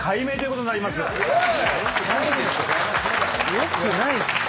よくないっすよ。